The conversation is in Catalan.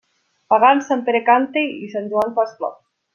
Pagant, Sant Pere canta i Sant Joan fa esclops.